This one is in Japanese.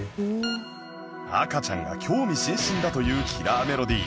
赤ちゃんが興味津々だというキラーメロディ